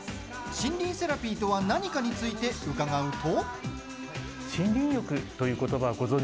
森林セラピーとは何かについて伺うと。